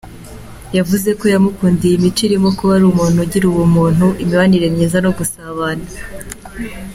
Yavuze ko yamukundiye imico irimo kuba ari ‘umuntu ugira ubumuntu, imibanire myiza no gusabana’.